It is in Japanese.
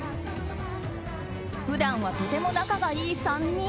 普段はとても仲がいい３人。